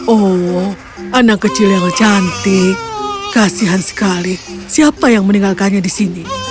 oh anak kecil yang cantik kasihan sekali siapa yang meninggalkannya di sini